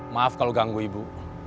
maaf kalau ganggu ibu